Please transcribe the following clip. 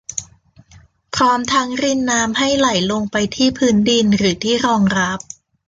พร้อมทั้งรินน้ำให้ไหลลงไปที่พื้นดินหรือที่รองรับ